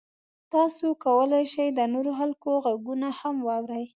تاسو کولی شئ د نورو خلکو غږونه هم واورئ.